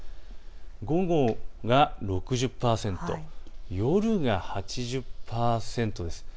午後が６０％、夜が８０％です。